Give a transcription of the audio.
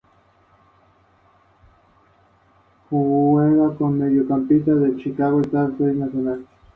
Se revela que El Lazo es el mismo anfitrión que Lawrence.